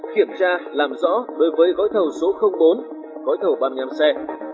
kiểm tra làm rõ đối với gói thảo số bốn gói thảo ba mươi năm xe